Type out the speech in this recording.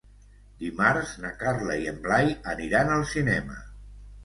Dimarts na Carla i en Blai aniran al cinema.